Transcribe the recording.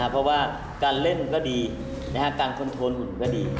เพราะว่าการเล่นก็ดีการคอนโทรหุ่นก็ดี